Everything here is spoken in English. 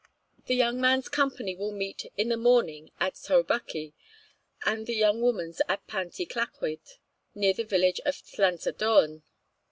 The Young Man's company will meet in the Morning at Ty'r Bwci; and the Young Woman's at Pant y Clacwydd, near the Village of Llansadwrn.